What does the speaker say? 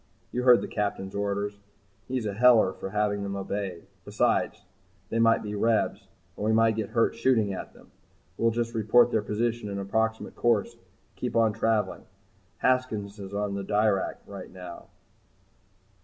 "You heard the Captain's orders. He's a heller for having them obeyed. Besides, they might be Rebs and we might get hurt shooting at them. We'll just report their position and approximate course and keep on travelling. Haskins is on the Dirac right now."